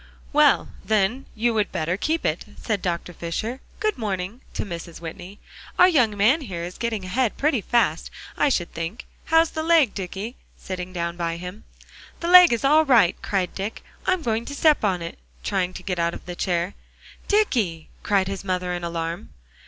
"Well, then, you would better keep it," said Dr. Fisher. "Good morning," to Mrs. Whitney. "Our young man here is getting ahead pretty fast, I should think. How's the leg, Dicky?" sitting down by him. "The leg is all right," cried Dick; "I'm going to step on it," trying to get out of the chair. "Dicky!" cried his mother in alarm.